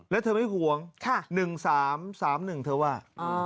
แล้วเธอไม่ห่วง๑๓๓๑เธอว่า